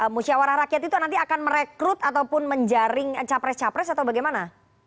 musyawarah rakyat itu nanti akan merekrut ataupun menjaring capres capres atau bagaimana